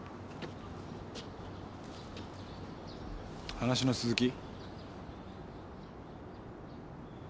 話の続き？